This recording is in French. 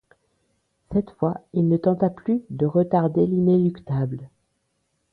Cette fois, il ne tenta plus de retarder l’inéluctable.